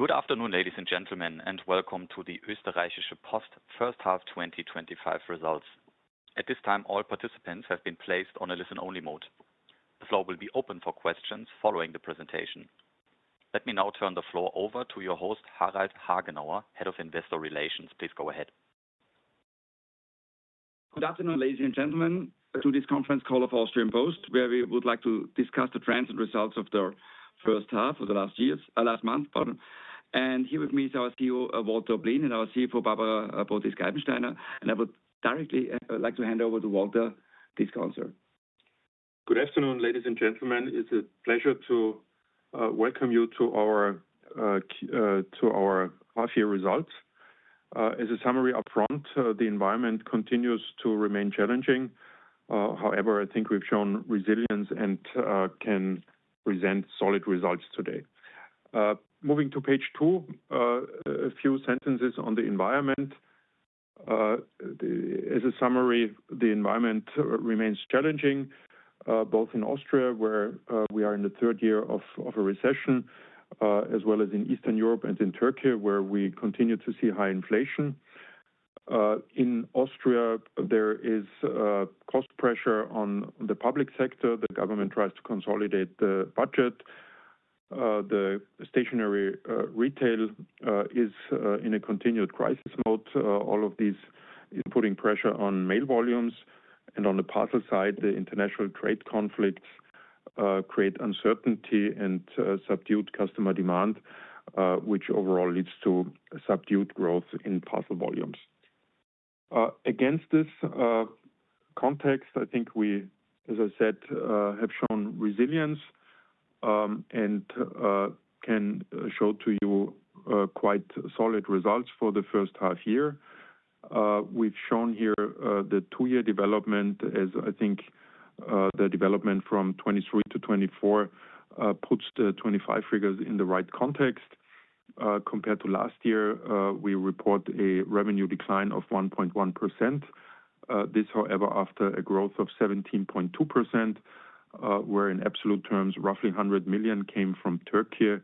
Good afternoon, ladies and gentlemen, and welcome to the Österreichische Post first half 2025 results. At this time, all participants have been placed on a listen-only mode. The floor will be open for questions following the presentation. Let me now turn the floor over to your host, Harald Hagenauer, Head of Investor Relations. Please go ahead. Good afternoon, ladies and gentlemen, to this conference call of Oesterreichische Post, where we would like to discuss the trends and results of the first half of the last month. Here with me is our CEO, Walter Oblin, and our CFO, Barbara Potisk-Eibensteiner. I would directly like to hand over to Walter this concert. Good afternoon, ladies and gentlemen. It's a pleasure to welcome you to our half-year results. As a summary upfront, the environment continues to remain challenging. However, I think we've shown resilience and can present solid results today. Moving to page two, a few sentences on the environment. As a summary, the environment remains challenging, both in Austria, where we are in the third year of a recession, as well as in Eastern Europe and in Turkey, where we continue to see high inflation. In Austria, there is cost pressure on the public sector. The government tries to consolidate the budget. The stationery retail is in a continued crisis mode. All of this is putting pressure on mail volumes. On the parcel side, the international trade conflicts create uncertainty and subdued customer demand, which overall leads to subdued growth in parcel volumes. Against this context, I think we, as I said, have shown resilience and can show to you quite solid results for the first half year. We've shown here the two-year development, as I think the development from 2023 to 2024 puts the 2025 figures in the right context. Compared to last year, we report a revenue decline of 1.1%. This, however, after a growth of 17.2%, where in absolute terms, roughly 100 million came from Turkey,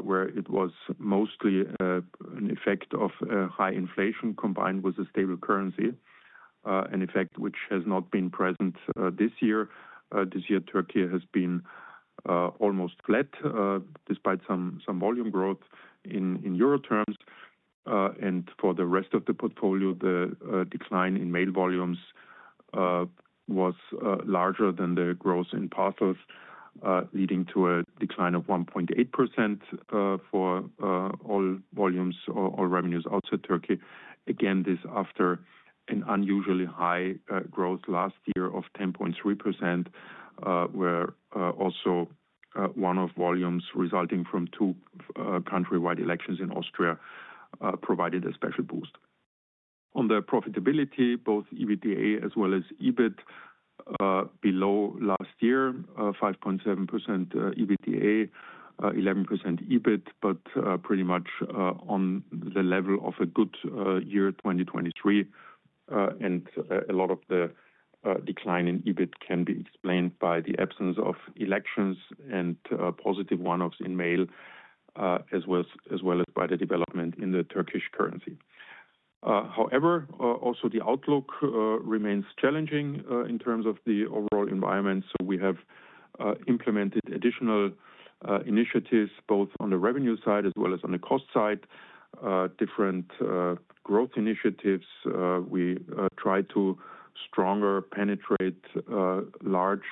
where it was mostly an effect of high inflation combined with a stable currency, an effect which has not been present this year. This year, Turkey has been almost flat, despite some volume growth in euro terms. For the rest of the portfolio, the decline in mail volumes was larger than the growth in parcels, leading to a decline of 1.8% for all volumes, all revenues outside Turkey. Again, this after an unusually high growth last year of 10.3%, where also one-off volumes resulting from two countrywide elections in Austria provided a special boost. On the profitability, both EBITDA as well as EBIT are below last year: 5.7% EBITDA, 11% EBIT, but pretty much on the level of a good year 2023. A lot of the decline in EBIT can be explained by the absence of elections and positive one-offs in mail, as well as by the development in the Turkish currency. However, the outlook remains challenging in terms of the overall environment. We have implemented additional initiatives, both on the revenue side as well as on the cost side, different growth initiatives. We try to strongly penetrate large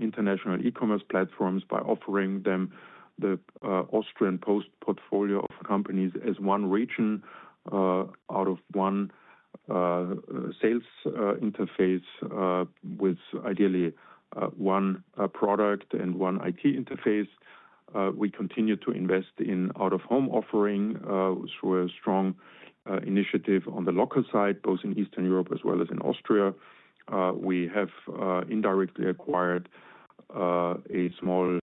international e-commerce platforms by offering them the Österreichische Post portfolio of companies as one region out of one sales interface with ideally one product and one IT interface. We continue to invest in out-of-home offering through a strong initiative on the local side, both in Eastern Europe as well as in Austria. We have indirectly acquired a small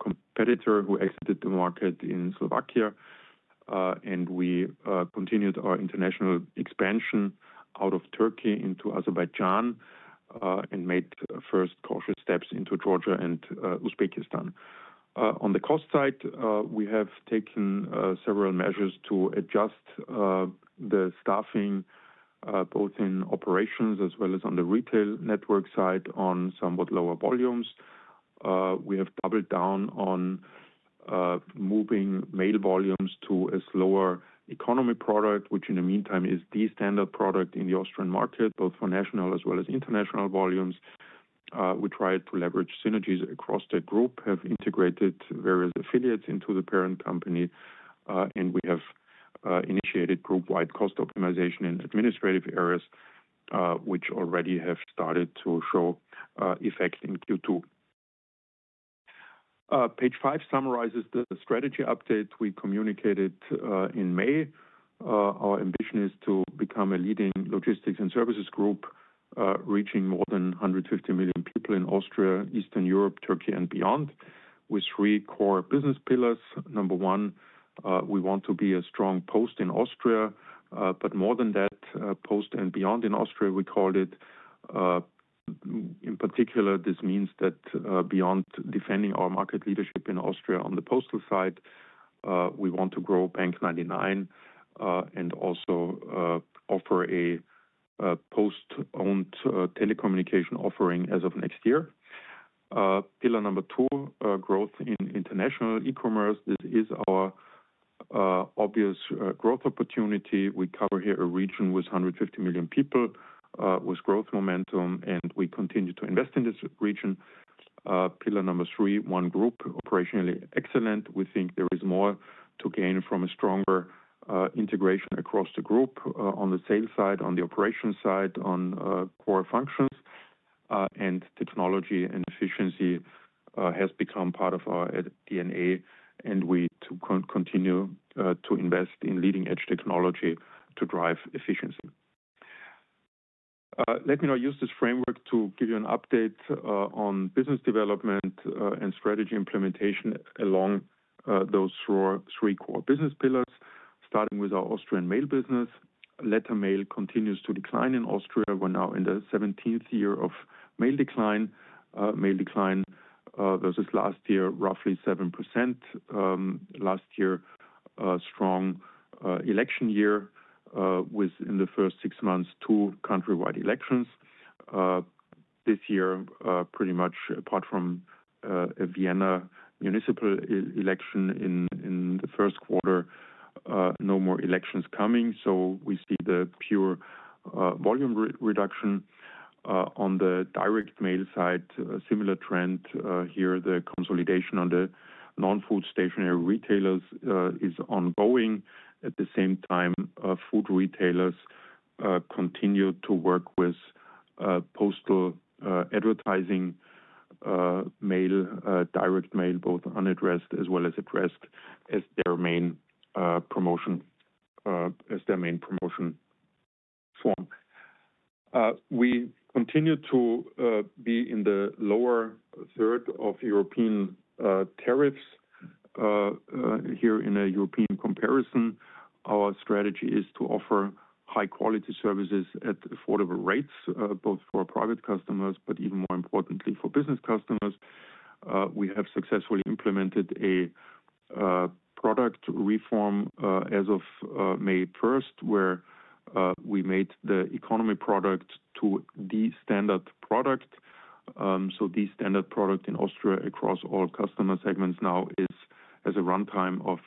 competitor who exited the market in Slovakia, and we continued our international expansion out of Turkey into Azerbaijan and made first cautious steps into Georgia and Uzbekistan. On the cost side, we have taken several measures to adjust the staffing, both in operations as well as on the retail network side, on somewhat lower volumes. We have doubled down on moving mail volumes to a slower economy product, which in the meantime is the standard product in the Austrian market, both for national as well as international volumes. We try to leverage synergies across the group, have integrated various affiliates into the parent company, and we have initiated group-wide cost optimization in administrative areas, which already have started to show effect in Q2. Page five summarizes the strategy update we communicated in May. Our ambition is to become a leading logistics and services group, reaching more than 150 million people in Austria, Eastern Europe, Turkey, and beyond, with three core business pillars. Number one, we want to be a strong post in Austria, but more than that, post and beyond in Austria, we call it. In particular, this means that beyond defending our market leadership in Austria on the postal side, we want to grow bank99 and also offer a post-owned telecommunication offering as of next year. Pillar number two, growth in international e-commerce. This is our obvious growth opportunity. We cover here a region with 150 million people, with growth momentum, and we continue to invest in this region. Pillar number three, one group, operationally excellent. We think there is more to gain from a stronger integration across the group on the sales side, on the operation side, on core functions, and technology and efficiency have become part of our DNA. We continue to invest in leading-edge technology to drive efficiency. Let me now use this framework to give you an update on business development and strategy implementation along those three core business pillars, starting with our Austrian mail business. Letter mail continues to decline in Austria. We're now in the 17th year of mail decline. Mail decline versus last year, roughly 7%. Last year, a strong election year, within the first six months, two countrywide elections. This year, pretty much apart from a Vienna municipal election in the first quarter, no more elections coming. We see the pure volume reduction. On the direct mail side, a similar trend here. The consolidation on the non-food stationery retailers is ongoing. At the same time, food retailers continue to work with postal advertising, mail, direct mail, both unaddressed as well as addressed as their main promotion form. We continue to be in the lower third of European tariffs. In a European comparison, our strategy is to offer high-quality services at affordable rates, both for private customers, but even more importantly, for business customers. We have successfully implemented a product reform as of May 1st, where we made the economy product the standard product. The standard product in Austria across all customer segments now has a runtime of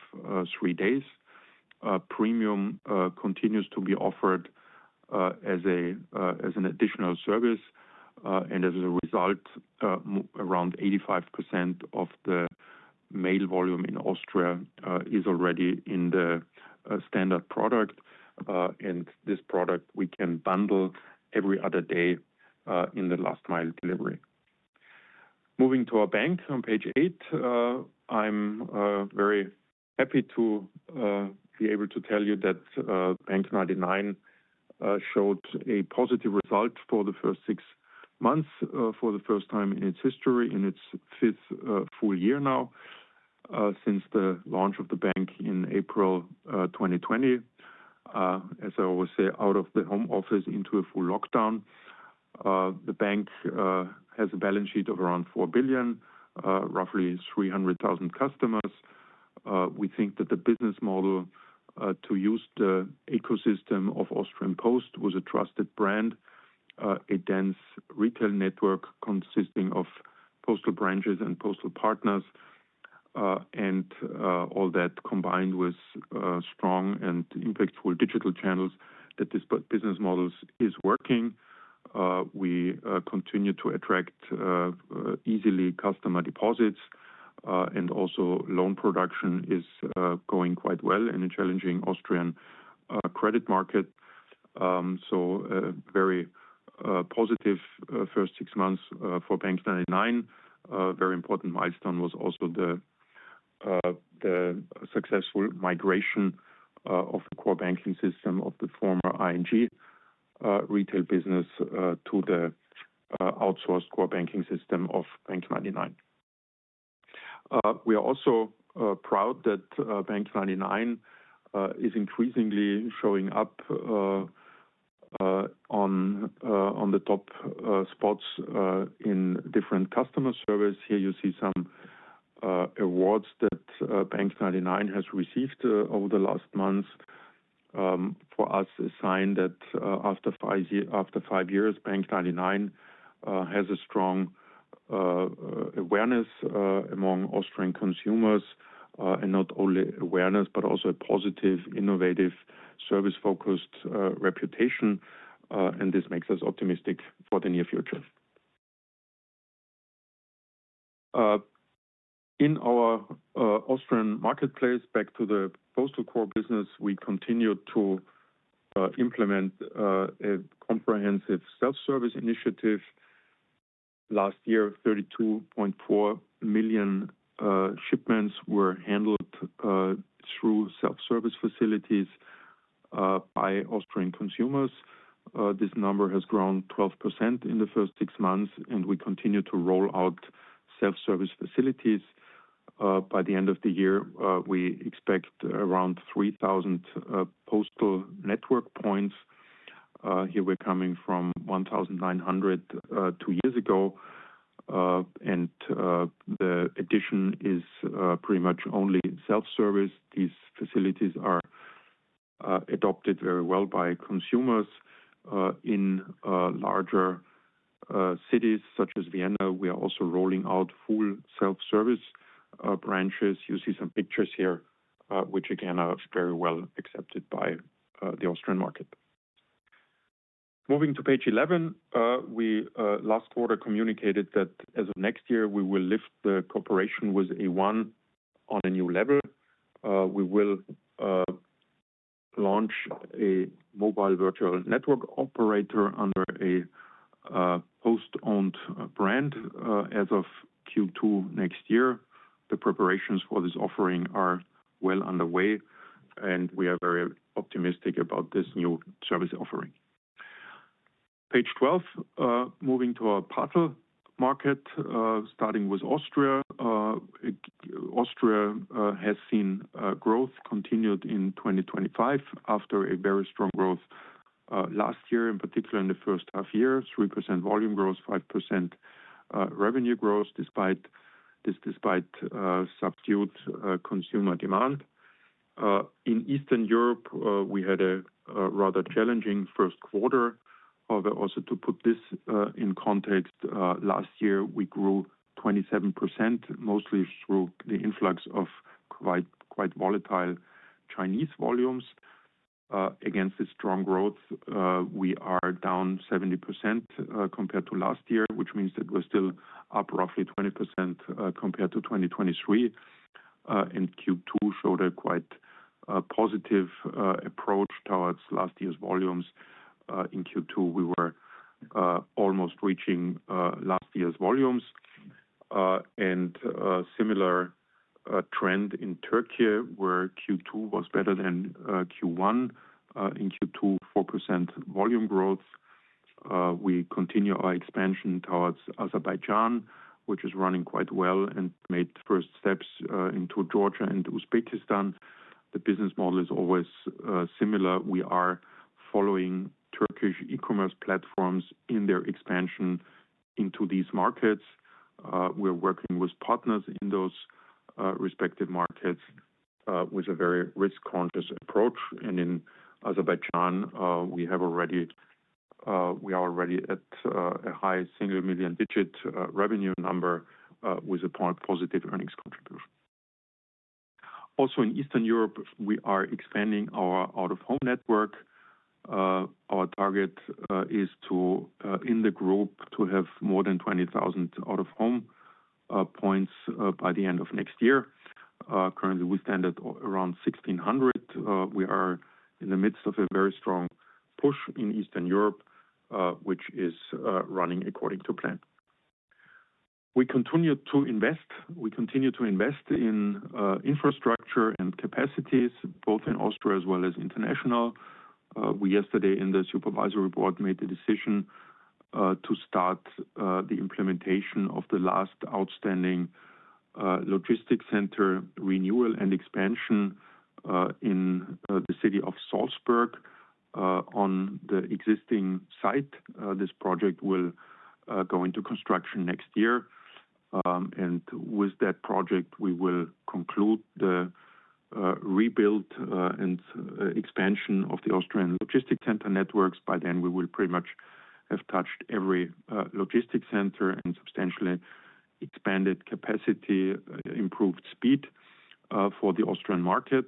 three days. Premium continues to be offered as an additional service. As a result, around 85% of the mail volume in Austria is already in the standard product. With this product, we can bundle every other day in the last-mile delivery. Moving to our bank on page eight, I'm very happy to be able to tell you that bank99 showed a positive result for the first six months, for the first time in its history, in its fifth full year now, since the launch of the bank in April 2020. As I always say, out of the home office into a full lockdown. The bank has a balance sheet of around 4 billion, roughly 300,000 customers. We think that the business model to use the ecosystem of Österreichische Post was a trusted brand, a dense retail network consisting of postal branches and postal partners. All that combined with strong and impactful digital channels, that this business model is working. We continue to attract easily customer deposits, and also loan production is going quite well in a challenging Austrian credit market. A very positive first six months for bank99. A very important milestone was also the successful migration of the core banking system of the former ING retail business to the outsourced core banking system of bank99. We are also proud that bank99 is increasingly showing up on the top spots in different customer service. Here you see some awards that bank99 has received over the last months. For us, a sign that after five years, bank99 has a strong awareness among Austrian consumers, and not only awareness, but also a positive, innovative, service-focused reputation. This makes us optimistic for the near future. In our Austrian marketplace, back to the postal core business, we continue to implement a comprehensive self-service initiative. Last year, 32.4 million shipments were handled through self-service facilities by Austrian consumers. This number has grown 12% in the first six months, and we continue to roll out self-service facilities. By the end of the year, we expect around 3,000 postal network points. Here we're coming from 1,900 two years ago. The addition is pretty much only self-service. These facilities are adopted very well by consumers. In larger cities such as Vienna, we are also rolling out full self-service branches. You see some pictures here, which again are very well accepted by the Austrian market. Moving to page 11, we last quarter communicated that as of next year, we will lift the cooperation with A1 on a new level. We will launch a mobile virtual network operator under a post-owned brand as of Q2 next year. The preparations for this offering are well underway, and we are very optimistic about this new service offering. Page 12, moving to our partner market, starting with Austria. Austria has seen growth continued in 2025 after a very strong growth last year, in particular in the first half year, 3% volume growth, 5% revenue growth, despite this subdued consumer demand. In Eastern Europe, we had a rather challenging first quarter. However, also to put this in context, last year we grew 27%, mostly through the influx of quite volatile Chinese volumes. Against this strong growth, we are down 70% compared to last year, which means that we're still up roughly 20% compared to 2023. Q2 showed a quite positive approach towards last year's volumes. In Q2, we were almost reaching last year's volumes. A similar trend in Turkey, where Q2 was better than Q1. In Q2, 4% volume growth. We continue our expansion towards Azerbaijan, which is running quite well and made first steps into Georgia and Uzbekistan. The business model is always similar. We are following Turkish e-commerce platforms in their expansion into these markets. We're working with partners in those respected markets with a very risk-conscious approach. In Azerbaijan, we are already at a high single million digit revenue number with a positive earnings contribution. Also in Eastern Europe, we are expanding our out-of-home network. Our target is to, in the group, have more than 20,000 out-of-home points by the end of next year. Currently, we stand at around 1,600. We are in the midst of a very strong push in Eastern Europe, which is running according to plan. We continue to invest. We continue to invest in infrastructure and capacities, both in Austria as well as international. Yesterday, in the Supervisory Board, we made the decision to start the implementation of the last outstanding logistics center renewal and expansion in the city of Salzburg on the existing site. This project will go into construction next year. With that project, we will conclude the rebuild and expansion of the Austrian logistics center networks. By then, we will pretty much have touched every logistics center and substantially expanded capacity, improved speed for the Austrian market.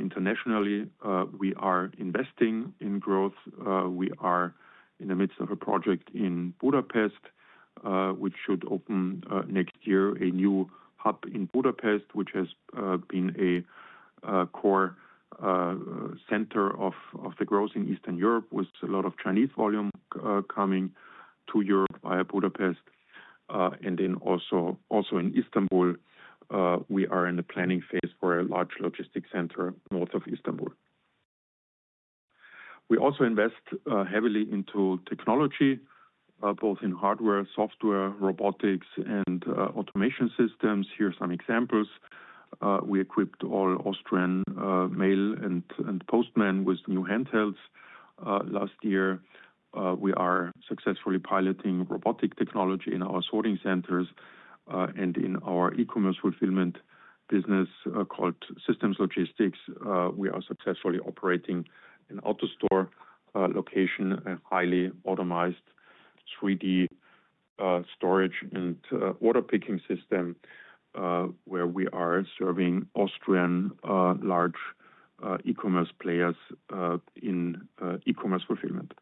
Internationally, we are investing in growth. We are in the midst of a project in Budapest, which should open next year, a new hub in Budapest, which has been a core center of the growth in Eastern Europe, with a lot of Chinese volume coming to Europe via Budapest. We are also in Istanbul, in the planning phase for a large logistics center north of Istanbul. We also invest heavily into technology, both in hardware, software, robotics, and automation systems. Here are some examples. We equipped all Austrian mail and postmen with new handhelds last year. We are successfully piloting robotic technology in our sorting centers and in our e-commerce fulfillment business called Systems Logistics. We are successfully operating an out-of-store location, a highly automized 3D storage and order picking system, where we are serving Austrian large e-commerce players in e-commerce fulfillment.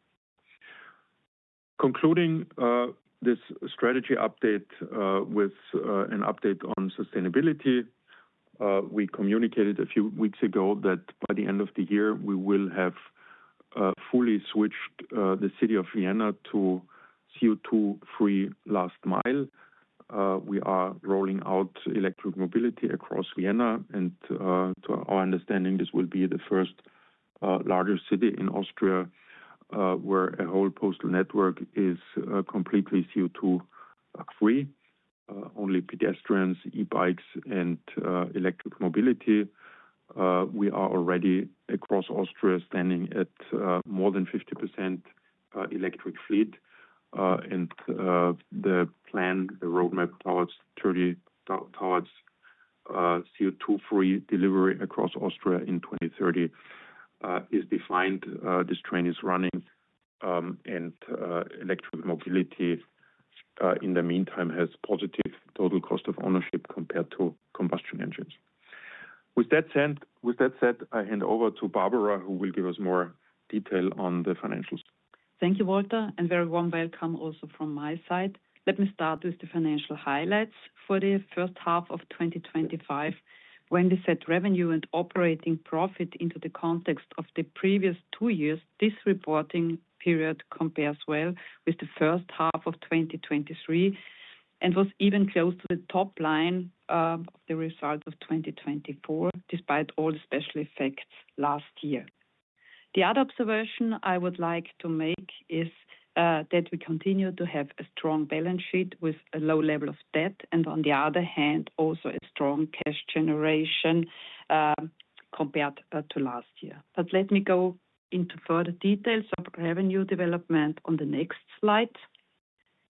Concluding this strategy update with an update on sustainability, we communicated a few weeks ago that by the end of the year, we will have fully switched the city of Vienna to CO2-free last mile. We are rolling out electric mobility across Vienna, and to our understanding, this will be the first larger city in Austria where a whole postal network is completely CO2-free. Only pedestrians, e-bikes, and electric mobility. We are already across Austria standing at more than 50% electric fleet. The plan, the roadmap towards CO2-free delivery across Austria in 2030, is defined. This train is running. Electric mobility, in the meantime, has positive total cost of ownership compared to combustion engines. With that said, I hand over to Barbara, who will give us more detail on the financials. Thank you, Walter. A very warm welcome also from my side. Let me start with the financial highlights for the first half of 2025. When we set revenue and operating profit into the context of the previous two years, this reporting period compares well with the first half of 2023 and was even close to the top line result of 2024, despite all the special effects last year. The other observation I would like to make is that we continue to have a strong balance sheet with a low level of debt and, on the other hand, also a strong cash generation compared to last year. Let me go into further details of revenue development on the next slide.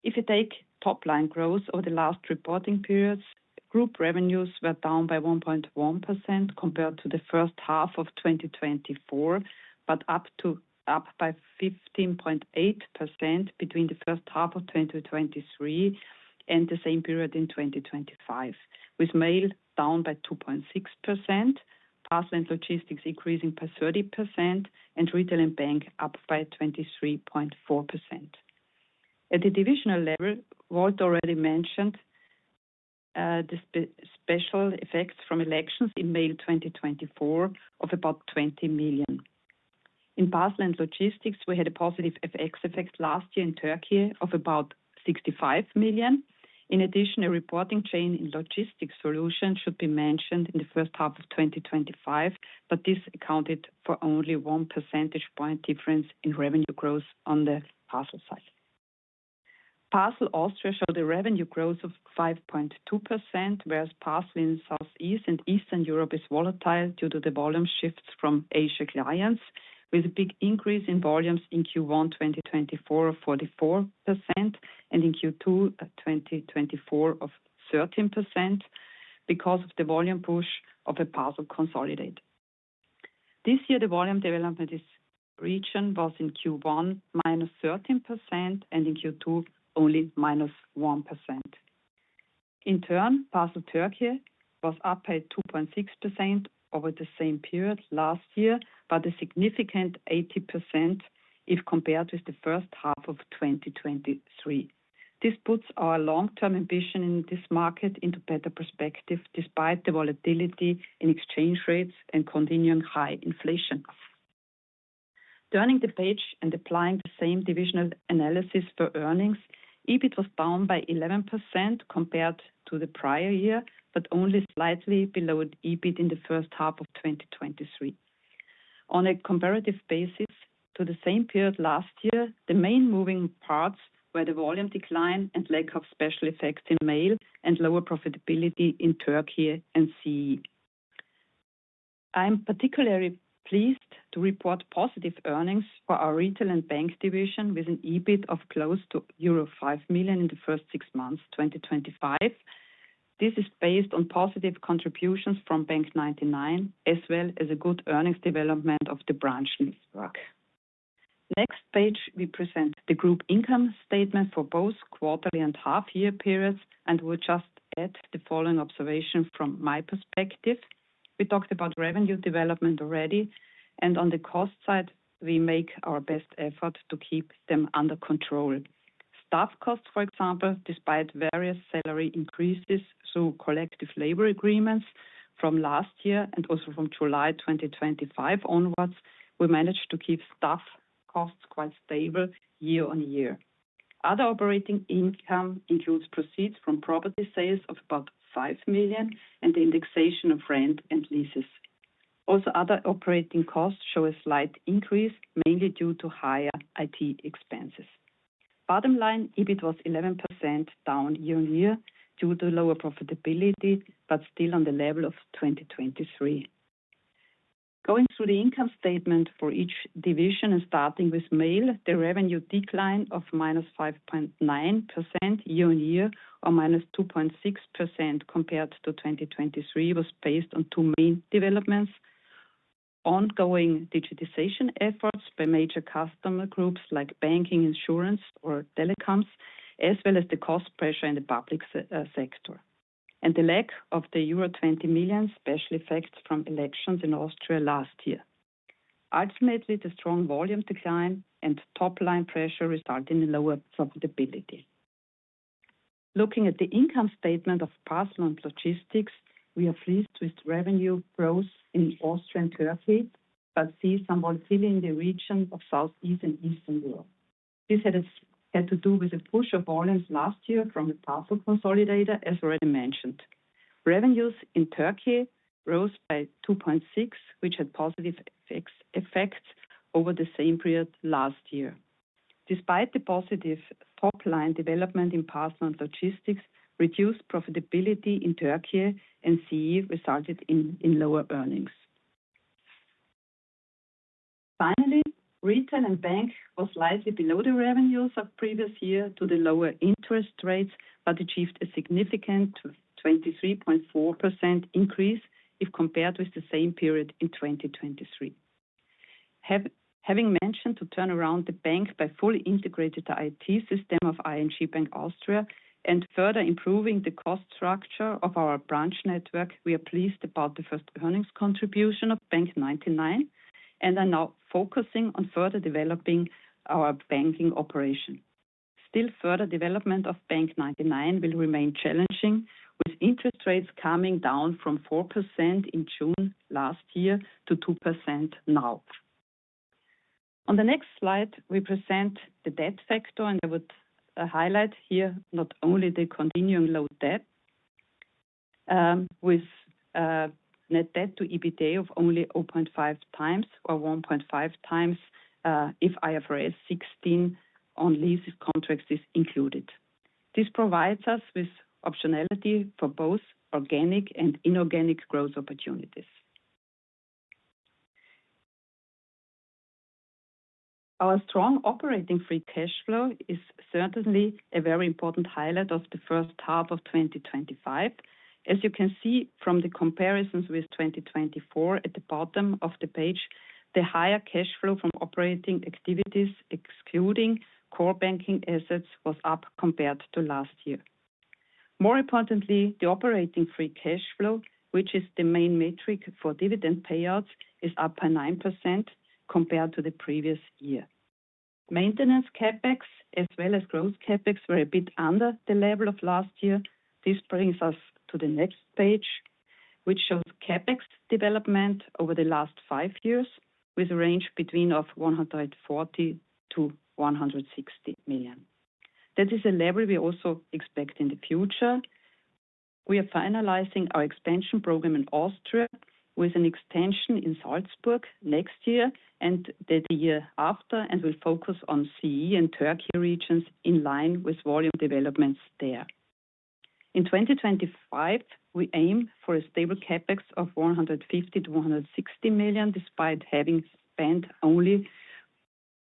If you take top-line growth over the last reporting periods, group revenues were down by 1.1% compared to the first half of 2024, but up by 15.8% between the first half of 2023 and the same period in 2025, with mail down by 2.6%, parcel and logistics increasing by 30%, and retail and bank up by 23.4%. At the divisional level, Walter already mentioned the special effects from elections in May 2024 of about 20 million. In parcel and logistics, we had a positive FX effect last year in Turkey of about 65 million. In addition, a reporting change in logistics solutions should be mentioned in the first half of 2025, but this accounted for only one percentage point difference in revenue growth on the parcel side. Parcel Austria showed a revenue growth of 5.2%, whereas parcel in Southeast and Eastern Europe is volatile due to the volume shifts from Asia clients, with a big increase in volumes in Q1 2024 of 44% and in Q2 2024 of 13% because of the volume push of a parcel consolidator. This year, the volume development region was in Q1 -13% and in Q2 only -1%. In turn, parcel Turkey was up by 2.6% over the same period last year, but a significant 80% if compared with the first half of 2023. This puts our long-term ambition in this market into better perspective despite the volatility in exchange rates and continuing high inflation. Turning the page and applying the same divisional analysis for earnings, EBIT was down by 11% compared to the prior year, but only slightly below EBIT in the first half of 2023. On a comparative basis to the same period last year, the main moving parts were the volume decline and lack of special effects in mail and lower profitability in Turkey and CEE. I'm particularly pleased to report positive earnings for our retail and bank division with an EBIT of close to euro 5 million in the first six months of 2025. This is based on positive contributions from bank99, as well as a good earnings development of the branch leasework. Next page, we present the group income statement for both quarterly and half-year periods, and we'll just add the following observation from my perspective. We talked about revenue development already, and on the cost side, we make our best effort to keep them under control. Staff costs, for example, despite various salary increases through collective labor agreements from last year and also from July 2025 onwards, we managed to keep staff costs quite stable year-on-year. Other operating income includes proceeds from property sales of about 5 million and the indexation of rent and leases. Also, other operating costs show a slight increase, mainly due to higher IT expenses. Bottom line, EBIT was 11% down year-on-year due to lower profitability, but still on the level of 2023. Going through the income statement for each division and starting with mail, the revenue decline of -5.9% year-on-year or -2.6% compared to 2023 was based on two main developments: ongoing digitization efforts by major customer groups like banking, insurance, or telecoms, as well as the cost pressure in the public sector, and the lack of the euro 20 million special effects from elections in Austria last year. Ultimately, the strong volume decline and top-line pressure resulted in lower profitability. Looking at the income statement of parcel and logistics, we are pleased with revenue growth in Austria and Turkey, but see some volatility in the region of Southeast and Eastern Europe. This had to do with the push of volumes last year from the parcel consolidator, as already mentioned. Revenues in Turkey rose by 2.6%, which had positive effects over the same period last year. Despite the positive top-line development in parcel and logistics, reduced profitability in Turkey and CEE resulted in lower earnings. Finally, retail and bank were slightly below the revenues of the previous year due to the lower interest rates, but achieved a significant 23.4% increase if compared with the same period in 2023. Having mentioned to turn around the bank by fully integrated IT system of ING Bank Austria and further improving the cost structure of our branch network, we are pleased about the first earnings contribution of bank99 and are now focusing on further developing our banking operation. Still, further development of bank99 will remain challenging, with interest rates coming down from 4% in June last year to 2% now. On the next slide, we present the debt factor, and I would highlight here not only the continuing low debt, with net debt to EBITDA of only 0.5x or 1.5x if IFRS 16 on leases contracts is included. This provides us with optionality for both organic and inorganic growth opportunities. Our strong operating free cash flow is certainly a very important highlight of the first half of 2025. As you can see from the comparisons with 2024, at the bottom of the page, the higher cash flow from operating activities, excluding core banking assets, was up compared to last year. More importantly, the operating free cash flow, which is the main metric for dividend payouts, is up by 9% compared to the previous year. Maintenance CapEx, as well as gross CapEx, were a bit under the level of last year. This brings us to the next page, which shows CapEx development over the last five years, with a range between 140 million-160 million. That is a level we also expect in the future. We are finalizing our expansion program in Austria, with an extension in Salzburg next year and the year after, and we'll focus on CEE and Turkey regions in line with volume developments there. In 2025, we aim for a stable CapEx of 150 million-160 million, despite having spent only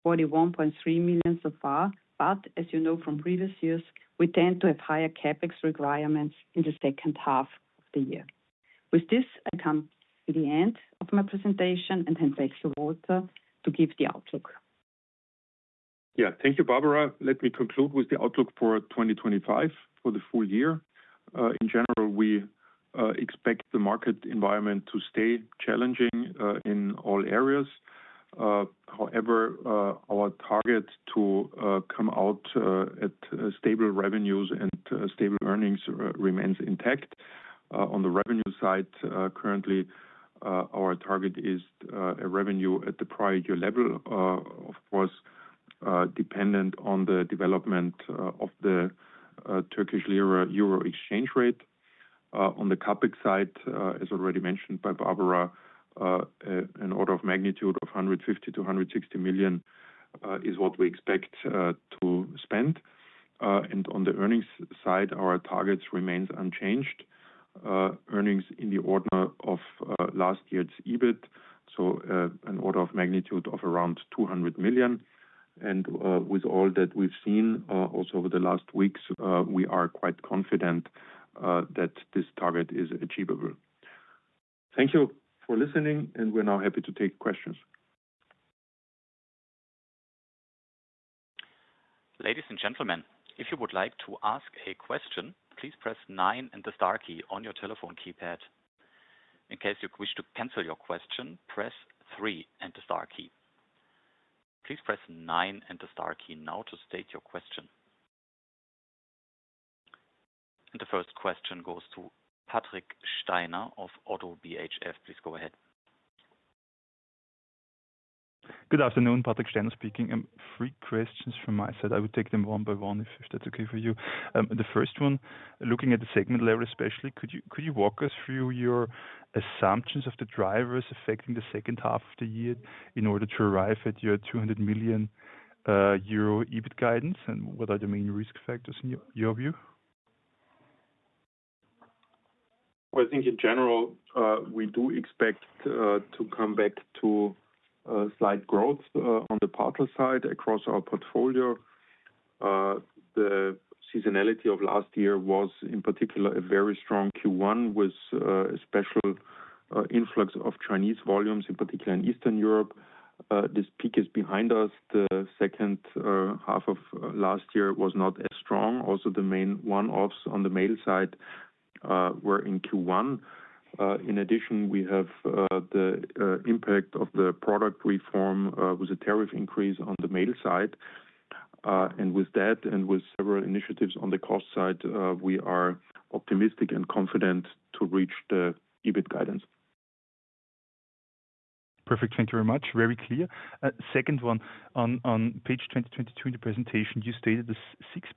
41.3 million so far. As you know from previous years, we tend to have higher CapEx requirements in the second half of the year. With this, I come to the end of my presentation and hand back to Walter to give the outlook. Yeah, thank you, Barbara. Let me conclude with the outlook for 2025, for the full year. In general, we expect the market environment to stay challenging in all areas. However, our target to come out at stable revenues and stable earnings remains intact. On the revenue side, currently, our target is a revenue at the prior year level, of course, dependent on the development of the Turkish Lira–Euro exchange rate. On the CapEx side, as already mentioned by Barbara, an order of magnitude of 150 million-160 million is what we expect to spend. On the earnings side, our targets remain unchanged, earnings in the order of last year's EBIT, so an order of magnitude of around 200 million. With all that we've seen also over the last weeks, we are quite confident that this target is achievable. Thank you for listening, and we're now happy to take questions. Ladies and gentlemen, if you would like to ask a question, please press nine and the star key on your telephone keypad. In case you wish to cancel your question, press three and the star key. Please press nine and the star key now to state your question. The first question goes to Patrick Steiner of Oddo BHF. Please go ahead. Good afternoon, Patrick Steiner speaking. I have three questions from my side. I would take them one by one if that's okay for you. The first one, looking at the segment level especially, could you walk us through your assumptions of the drivers affecting the second half of the year in order to arrive at your 200 million euro EBIT guidance? What are the main risk factors in your view? I think in general, we do expect to come back to slight growth on the parcel side across our portfolio. The seasonality of last year was in particular a very strong Q1 with a special influx of Chinese volumes, in particular in Eastern Europe. This peak is behind us. The second half of last year was not as strong. Also, the main one-offs on the mail side were in Q1. In addition, we have the impact of the product reform with a tariff increase on the mail side. With that and with several initiatives on the cost side, we are optimistic and confident to reach the EBIT guidance. Perfect. Thank you very much. Very clear. Second one, on page 2022 in the presentation, you stated the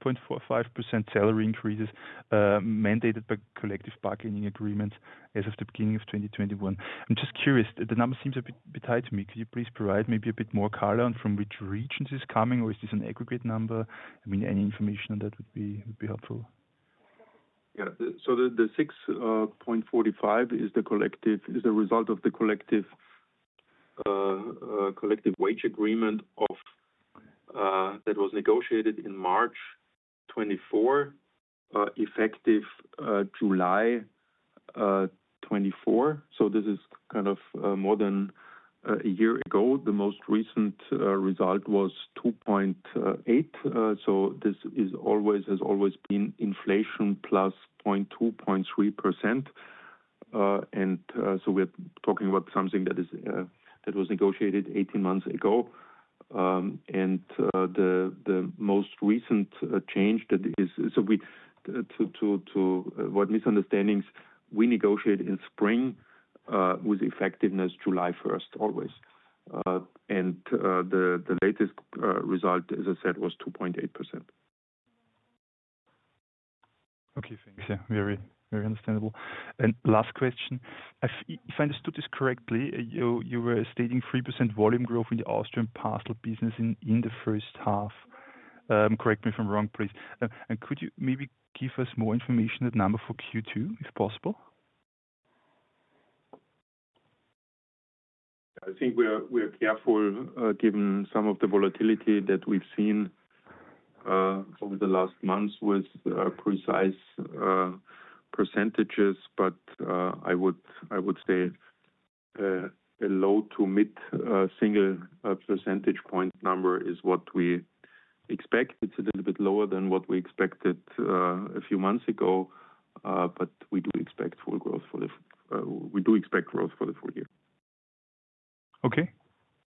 6.45% salary increases mandated by collective bargaining agreements as of the beginning of 2021. I'm just curious, the number seems a bit high to me. Could you please provide maybe a bit more color and from which region this is coming, or is this an aggregate number? I mean, any information on that would be helpful. Yeah. The 6.45% is the result of the collective wage agreement that was negotiated in March 2024, effective July 2024. This is kind of more than a year ago. The most recent result was 2.8%. This has always been inflation +0.2%, 0.3%. We're talking about something that was negotiated 18 months ago. The most recent change is, to avoid misunderstandings, we negotiated in spring with effectiveness July 1st, always. The latest result, as I said, was 2.8%. Okay, thanks. Yeah, very, very understandable. Last question. If I understood this correctly, you were stating 3% volume growth in the Austrian parcel business in the first half. Correct me if I'm wrong, please. Could you maybe give us more information on that number for Q2, if possible? I think we are careful given some of the volatility that we've seen over the last months with precise percentages. I would say a low to mid-single percentage point number is what we expect. It's a little bit lower than what we expected a few months ago, but we do expect full growth for the full year. Okay.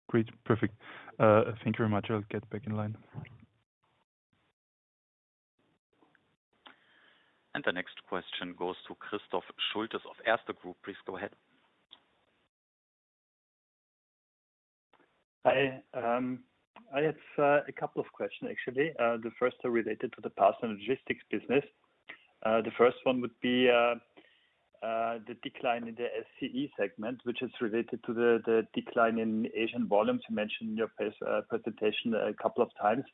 Great. Perfect. Thank you very much. I'll get back in line. The next question goes to Christoph Schultes of Erste Group. Please go ahead. Hi. I had a couple of questions, actually. The first are related to the parcel and logistics services business. The first one would be the decline in the SCE segment, which is related to the decline in Asian volumes you mentioned in your presentation a couple of times.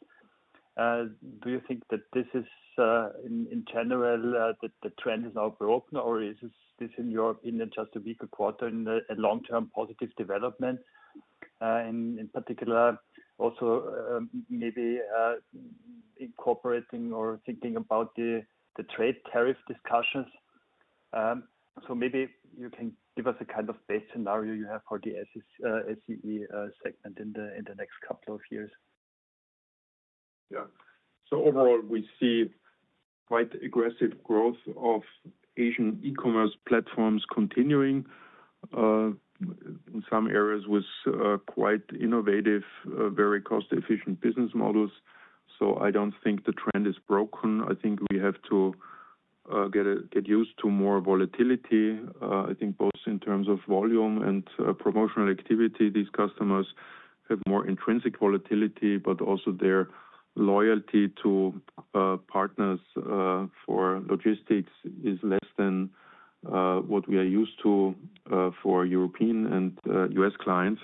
Do you think that this is, in general, that the trend is now broken, or is this, in your opinion, just a week or quarter in a long-term positive development? In particular, also maybe incorporating or thinking about the trade tariff discussions. Maybe you can give us a kind of best scenario you have for the SCE segment in the next couple of years. Yeah. Overall, we see quite aggressive growth of Asian e-commerce platforms continuing in some areas with quite innovative, very cost-efficient business models. I don't think the trend is broken. I think we have to get used to more volatility. I think both in terms of volume and promotional activity, these customers have more intrinsic volatility, but also their loyalty to partners for logistics is less than what we are used to for European and U.S. clients.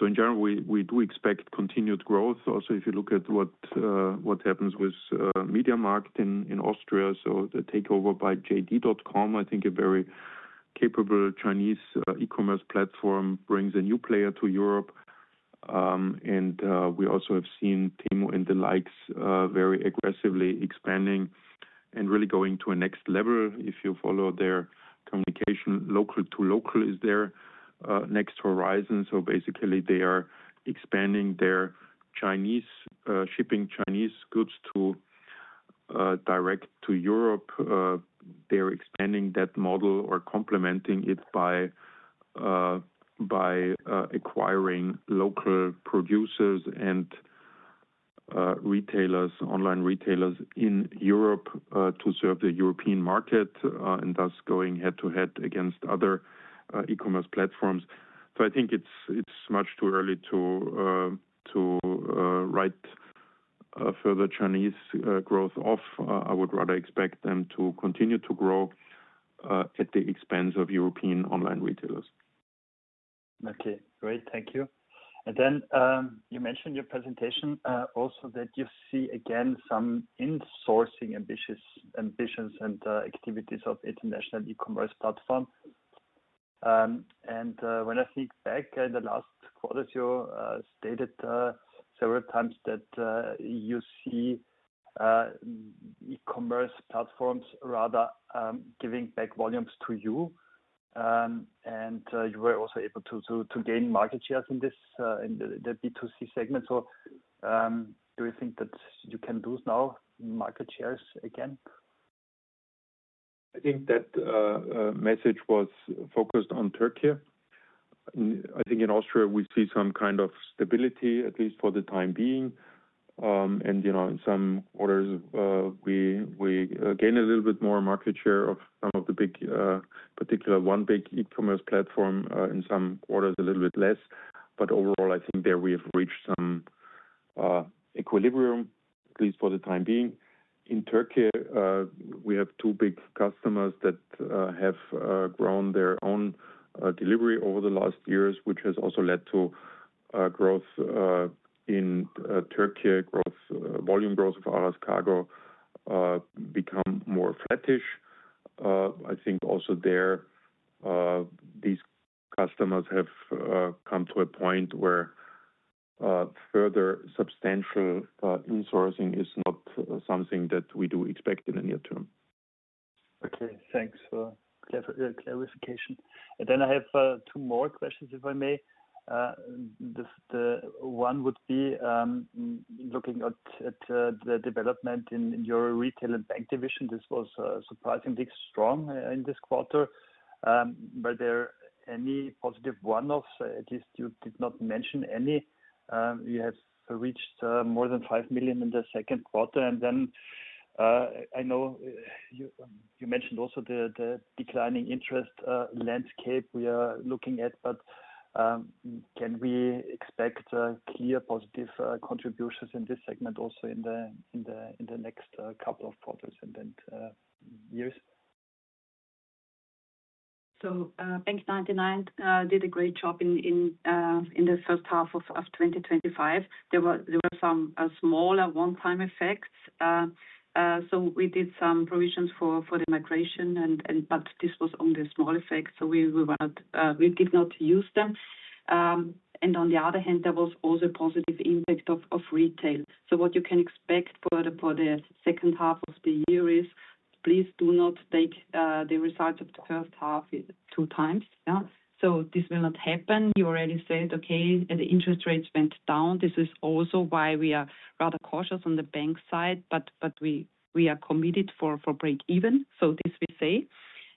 In general, we do expect continued growth. Also, if you look at what happens with MediaMarkt in Austria, the takeover by jd.com, I think a very capable Chinese e-commerce platform brings a new player to Europe. We also have seen Temu and the likes very aggressively expanding and really going to a next level. If you follow their communication, local to local is their next horizon. Basically, they are expanding their shipping Chinese goods direct to Europe. They're expanding that model or complementing it by acquiring local producers and online retailers in Europe to serve the European market and thus going head-to-head against other e-commerce platforms. I think it's much too early to write further Chinese growth off. I would rather expect them to continue to grow at the expense of European online retailers. Okay. Great. Thank you. You mentioned in your presentation also that you see again some insourcing ambitions and activities of the international e-commerce platform. When I think back in the last quarter, you stated several times that you see e-commerce platforms rather giving back volumes to you, and you were also able to gain market shares in the B2C segment. Do you think that you can lose now market shares again? I think that message was focused on Turkey. I think in Austria, we see some kind of stability, at least for the time being. You know in some quarters, we gain a little bit more market share of some of the big, particular one big e-commerce platform. In some quarters, a little bit less. Overall, I think there we have reached some equilibrium, at least for the time being. In Turkey, we have two big customers that have grown their own delivery over the last years, which has also led to growth in Turkey. Volume growth of Aras Kargo has become more flattish. I think also there, these customers have come to a point where further substantial insourcing is not something that we do expect in the near term. Okay. Thanks for the clarification. I have two more questions, if I may. The one would be looking at the development in your retail and banking services division. This was surprisingly strong in this quarter. Were there any positive one-offs? At least you did not mention any. You have reached more than 5 million in the second quarter. I know you mentioned also the declining interest landscape we are looking at. Can we expect clear positive contributions in this segment also in the next couple of quarters and years? bank99 did a great job in the first half of 2025. There were some smaller one-time effects. We did some provisions for the migration, but this was only a small effect. We did not use them. On the other hand, there was also a positive impact of retail. What you can expect for the second half of the year is, please do not take the results of the first half two times. This will not happen. You already said, okay, and the interest rates went down. This is also why we are rather cautious on the bank side, but we are committed for break-even. This we say.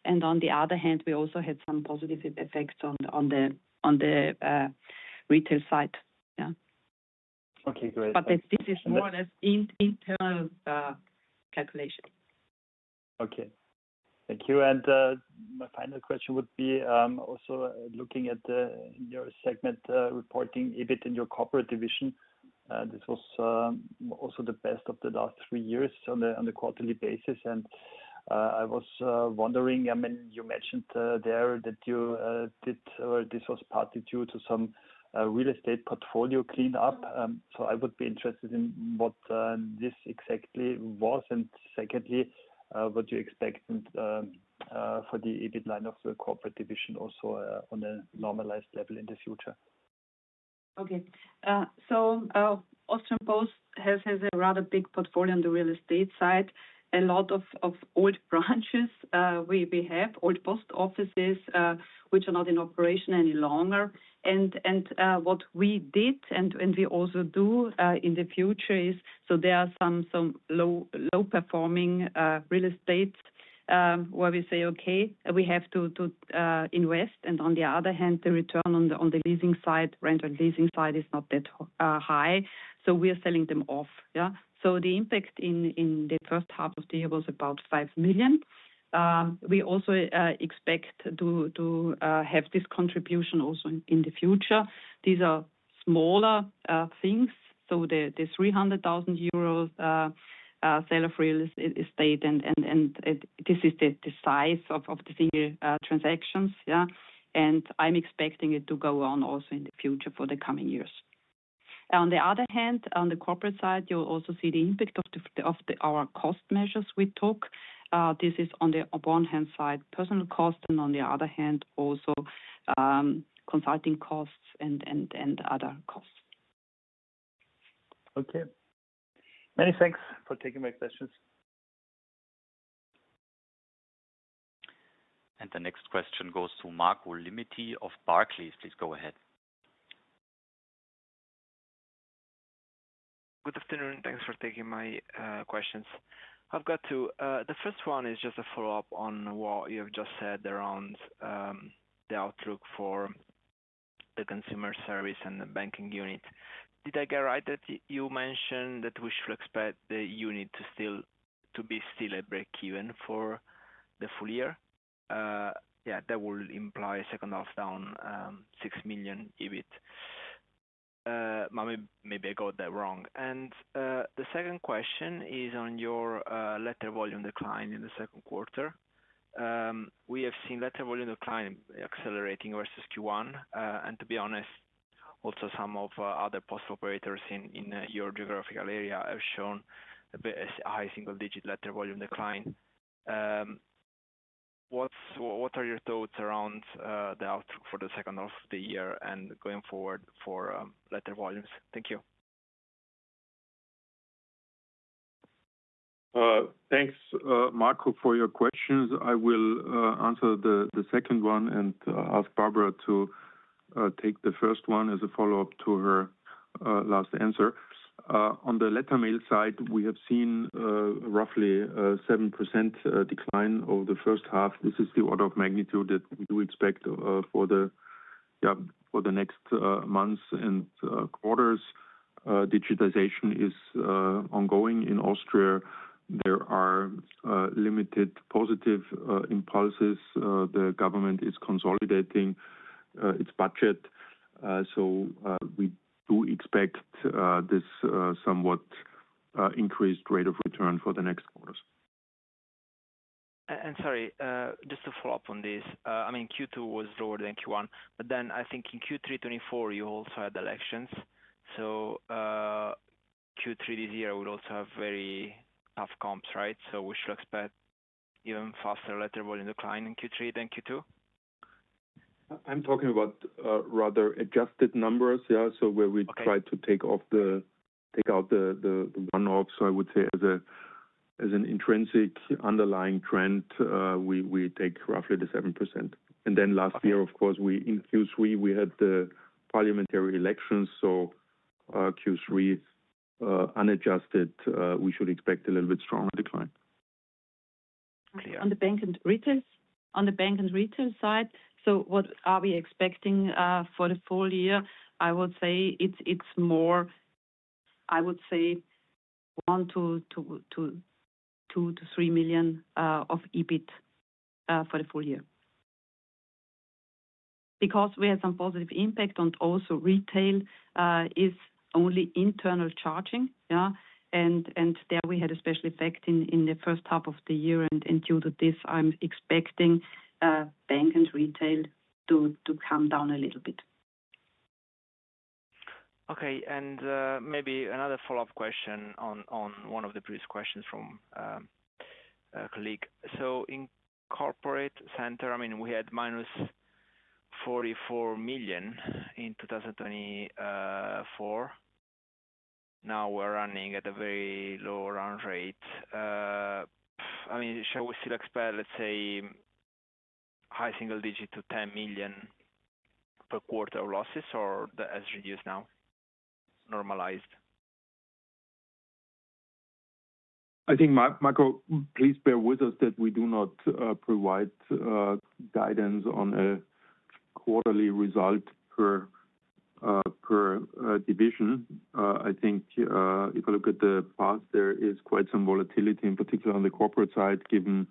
On the other hand, we also had some positive effects on the retail side. Okay. Great. This is more or less an internal calculation. Okay. Thank you. My final question would be also looking at your segment reporting EBIT in your corporate division. This was also the best of the last three years on a quarterly basis. I was wondering, you mentioned there that you did, or this was partly due to some real estate portfolio cleanup. I would be interested in what this exactly was. Secondly, what do you expect for the EBIT line of the corporate division also on a normalized level in the future? Okay. Austrian Post has a rather big portfolio on the real estate side. A lot of old branches, we have old post offices, which are not in operation any longer. What we did and we also do in the future is, there are some low-performing real estate where we say, okay, we have to invest. On the other hand, the return on the leasing side, rent and leasing side, is not that high. We are selling them off. The impact in the first half of the year was about 5 million. We also expect to have this contribution also in the future. These are smaller things. The 300,000 euros sale of real estate, and this is the size of the single transactions. I'm expecting it to go on also in the future for the coming years. On the other hand, on the corporate side, you'll also see the impact of our cost measures we took. This is on the one-hand side, personnel cost, and on the other hand, also consulting costs and other costs. Okay, many thanks for taking my questions. The next question goes to Marco Limite of Barclays. Please go ahead. Good afternoon. Thanks for taking my questions. I've got two. The first one is just a follow-up on what you have just said around the outlook for the consumer service and the banking unit. Did I get right that you mentioned that we should expect the unit to still be at break-even for the full year? Yeah, that will imply a second half down 6 million EBIT. Maybe I got that wrong. The second question is on your letter volume decline in the second quarter. We have seen letter volume decline accelerating versus Q1. To be honest, also some of other postal operators in your geographical area have shown a high single-digit letter volume decline. What are your thoughts around the outlook for the second half of the year and going forward for letter volumes? Thank you. Thanks, Marco, for your questions. I will answer the second one and ask Barbara to take the first one as a follow-up to her last answer. On the letter mail side, we have seen roughly a 7% decline over the first half. This is the order of magnitude that we do expect for the next months and quarters. Digitization is ongoing in Austria. There are limited positive impulses. The government is consolidating its budget. We do expect this somewhat increased rate of return for the next quarters. Sorry, just to follow up on this, I mean, Q2 was lower than Q1. I think in Q3 2024, you also had elections. Q3 this year would also have very tough comps, right? We should expect even faster letter volume decline in Q3 than Q2? I'm talking about rather adjusted numbers. Yeah. Where we try to take off the one-off, I would say as an intrinsic underlying trend, we take roughly the 7%. Last year, of course, in Q3, we had the parliamentary elections. Q3 is unadjusted. We should expect a little bit stronger decline. Okay. On the bank and retail side, what are we expecting for the full year? I would say it's more, I would say, 1 million to 2 million to 3 million of EBIT for the full year. We had some positive impact on also retail, it's only internal charging. There we had a special effect in the first half of the year. Due to this, I'm expecting bank and retail to come down a little bit. Okay. Maybe another follow-up question on one of the previous questions from a colleague. In corporate center, we had -44 million in 2024. Now we're running at a very low run rate. Shall we still expect, let's say, high single digit to 10 million per quarter of losses, or has that reduced now, normalized? I think, Marco, please bear with us that we do not provide guidance on a quarterly result per division. I think if you look at the path, there is quite some volatility, in particular on the corporate side, given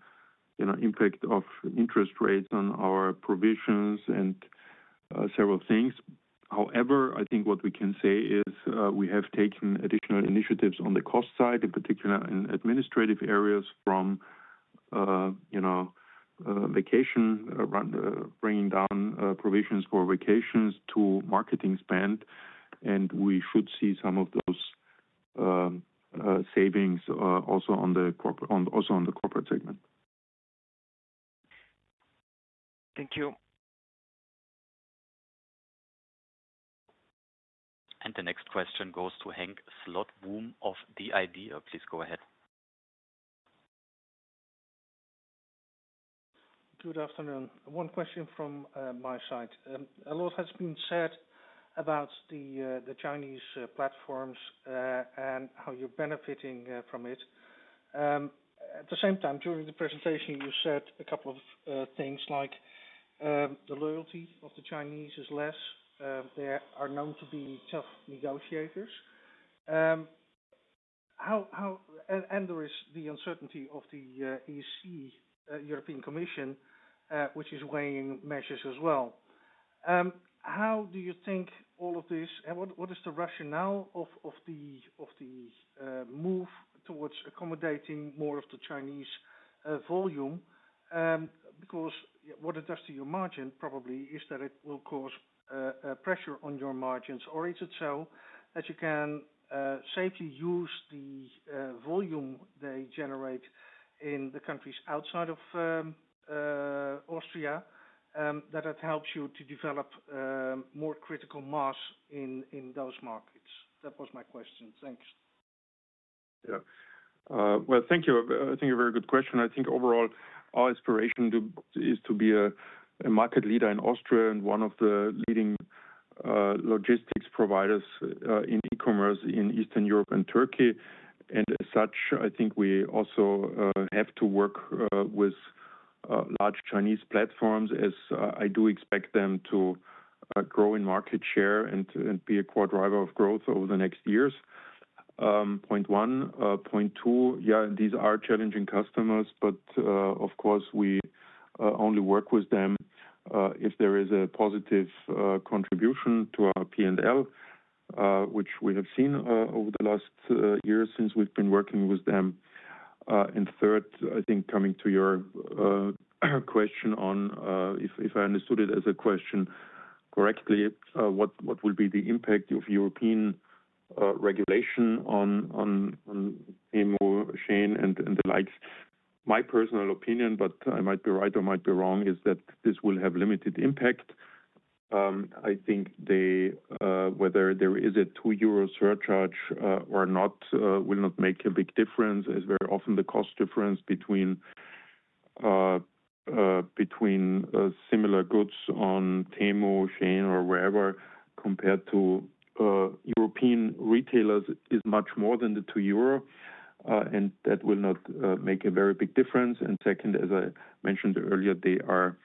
the impact of interest rates on our provisions and several things. However, I think what we can say is we have taken additional initiatives on the cost side, in particular in administrative areas, from vacation, bringing down provisions for vacations to marketing spend. We should see some of those savings also on the corporate segment. Thank you. The next question goes to Henk Slotboom of DID. Please go ahead. Good afternoon. One question from my side. A lot has been said about the Chinese platforms and how you're benefiting from it. At the same time, during the presentation, you said a couple of things like the loyalty of the Chinese is less. They are known to be tough negotiators, and there is the uncertainty of the European Commission, which is weighing measures as well. How do you think all of this, and what is the rationale of the move towards accommodating more of the Chinese volume? Because what it does to your margin probably is that it will cause pressure on your margins. Is it so that you can safely use the volume they generate in the countries outside of Austria that helps you to develop more critical mass in those markets? That was my question. Thanks. Thank you. I think a very good question. I think overall, our aspiration is to be a market leader in Austria and one of the leading logistics providers in e-commerce in Eastern Europe and Turkey. As such, I think we also have to work with large Chinese platforms as I do expect them to grow in market share and be a core driver of growth over the next years. Point one. Point two, these are challenging customers, but of course, we only work with them if there is a positive contribution to our P&L, which we have seen over the last years since we've been working with them. Third, I think coming to your question on, if I understood it as a question correctly, what will be the impact of European regulation on Temu, Shein, and the likes? My personal opinion, but I might be right or might be wrong, is that this will have limited impact. I think whether there is a 2 euro surcharge or not will not make a big difference. It's very often the cost difference between similar goods on Temu, Shein, or wherever compared to European retailers is much more than the 2 euro. That will not make a very big difference. Second, as I mentioned earlier, they are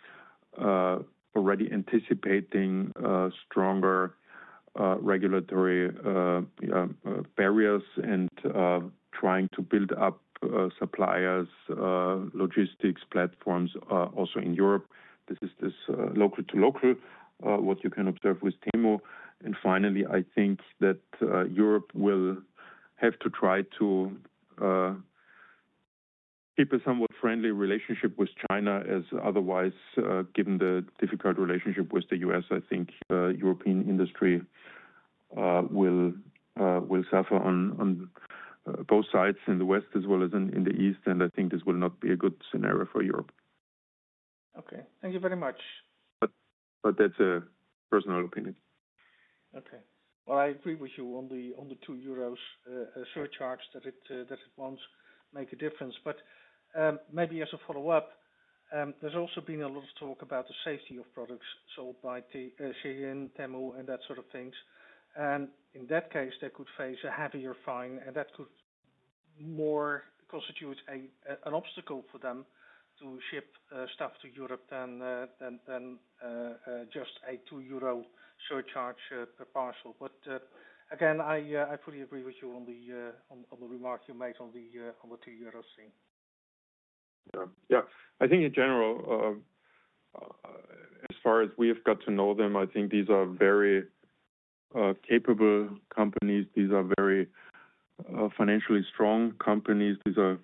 already anticipating stronger regulatory barriers and trying to build up suppliers, logistics platforms also in Europe. This is this local to local what you can observe with Temu. Finally, I think that Europe will have to try to keep a somewhat friendly relationship with China, as otherwise, given the difficult relationship with the U.S., I think European industry will suffer on both sides in the West as well as in the East. I think this will not be a good scenario for Europe. Okay, thank you very much. That’s a personal opinion. Okay, I agree with you. Only a 2 euros surcharge, it won't make a difference. Maybe as a follow-up, there's also been a lot of talk about the safety of products sold by Shein, Temu, and that sort of things. In that case, they could face a heavier fine, and that could more constitute an obstacle for them to ship stuff to Europe than just a 2 euro surcharge per parcel. I fully agree with you on the remark you made on the 2 euros thing. Yeah. I think in general, as far as we have got to know them, I think these are very capable companies. These are very financially strong companies. These are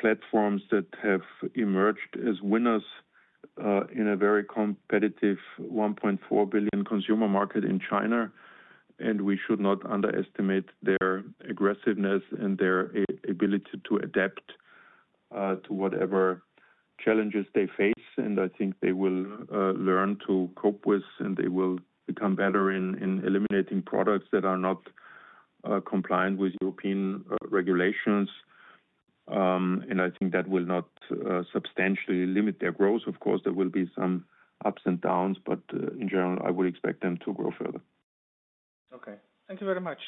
platforms that have emerged as winners in a very competitive 1.4 billion consumer market in China. We should not underestimate their aggressiveness and their ability to adapt to whatever challenges they face. I think they will learn to cope with, and they will become better in eliminating products that are not compliant with European regulations. I think that will not substantially limit their growth. Of course, there will be some ups and downs, but in general, I would expect them to grow further. Okay, thank you very much.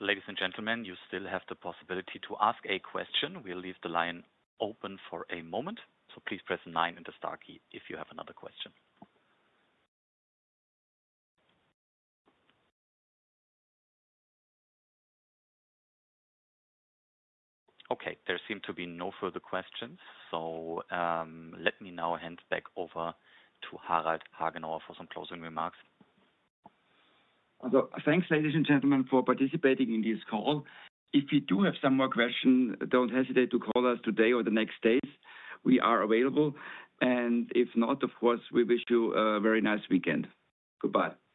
Ladies and gentlemen, you still have the possibility to ask a question. We'll leave the line open for a moment. Please press nine and the star key if you have another question. There seem to be no further questions. Let me now hand back over to Harald Hagenauer for some closing remarks. Thanks, ladies and gentlemen, for participating in this call. If you do have some more questions, don't hesitate to call us today or the next days. We are available. If not, of course, we wish you a very nice weekend. Goodbye.